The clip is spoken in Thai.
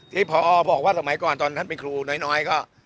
พอบอกว่าสมัยก่อนตอนท่านเป็นครูน้อยก็